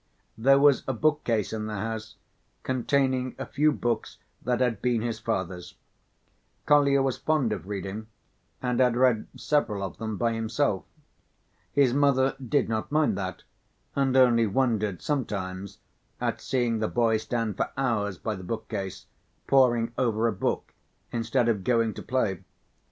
There was a bookcase in the house containing a few books that had been his father's. Kolya was fond of reading, and had read several of them by himself. His mother did not mind that and only wondered sometimes at seeing the boy stand for hours by the bookcase poring over a book instead of going to play.